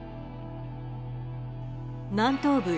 南東部